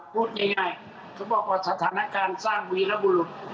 พูดง่ายเขาบอกว่าสถานการณ์สร้างวีรบุรุษ